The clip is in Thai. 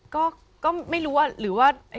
ก็ไม่รู้ว่าหรือว่า